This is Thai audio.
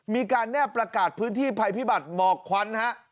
มีการแนบประกาศพื้นที่ภัยพิบัติหมอกควันฮะ